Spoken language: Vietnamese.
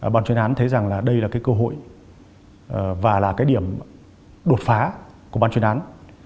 ban chuyên án thấy rằng đây là cơ hội và là điểm đột phá của ban chuyên án